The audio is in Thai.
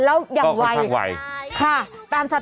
แล้วยังวัยค่ะค่ะก็คือทางวัย